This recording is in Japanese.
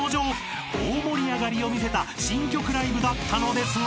［大盛り上がりを見せた新曲ライブだったのですが］